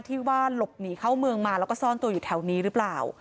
ที่ว่าหลบหนีเข้าเมืองมาแล้วก็ซ่อนตัวอยู่แถวนี้หรือเปล่า